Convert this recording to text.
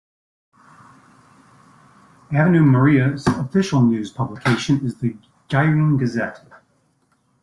Avenue Maria's official news publication is "The Gyrene Gazette".